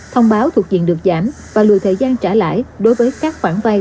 thông báo thuộc diện được giảm và lùi thời gian trả lãi đối với các khoản vay